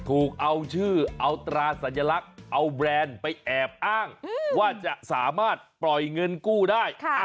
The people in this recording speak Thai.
ถูกเอาชื่อเอาตราสัญลักษณ์เอาแบรนด์ไปแอบอ้างว่าจะสามารถปล่อยเงินกู้ได้